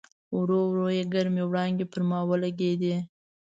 ورو ورو یې ګرمې وړانګې پر ما ولګېدې.